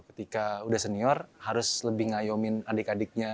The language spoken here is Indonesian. ketika udah senior harus lebih ngayomin adik adiknya